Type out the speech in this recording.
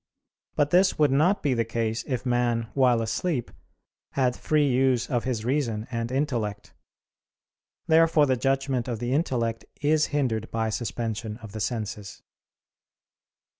But this would not be the case if man, while asleep, had free use of his reason and intellect. Therefore the judgment of the intellect is hindered by suspension of the senses.